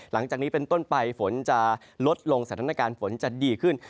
หลังจากนี้เป็นต้นไปฝนจะลดลงสถานการณ์ฝนจะดีขึ้น